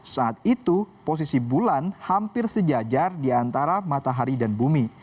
saat itu posisi bulan hampir sejajar di antara matahari dan bumi